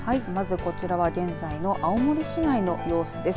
こちらは現在の青森市内の様子です。